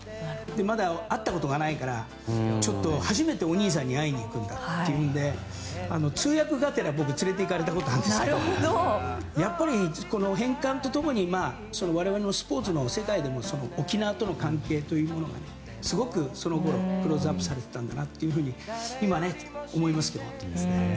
まだ会ったことがないから初めてお兄さんに会いに行くんだと言うので通訳がてら僕、連れていかれたことあるんですけどやっぱり、返還と共に我々のスポーツの世界でも沖縄との関係というものがすごく、そのころクローズアップされていたんだと今思いますけど。